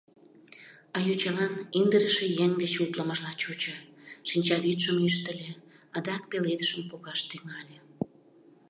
А йочалан индырыше еҥ деч утлымыжла чучо, шинчавӱдшым ӱштыльӧ, адак пеледышым погаш тӱҥале.